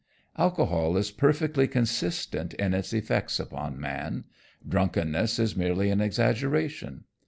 Alcohol is perfectly consistent in its effects upon man. Drunkenness is merely an exaggeration.